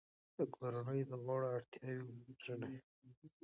د کورنۍ د غړو اړتیاوې وپیژنئ.